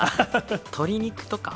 鶏肉とか？